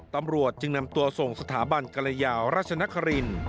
ตำรวจจึงนำตัวส่งสถาบันกรยาราชนคริน